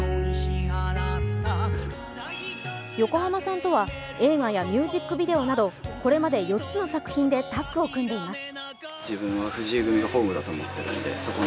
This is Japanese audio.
横浜さんとは映画やミュージックビデオなどこれまで４つの作品でタッグを組んでいます。